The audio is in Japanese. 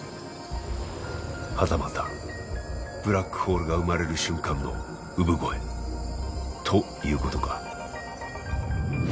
はたまたブラックホールが生まれる瞬間の産声ということか。